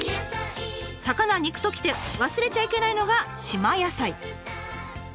魚肉ときて忘れちゃいけないのが島野菜。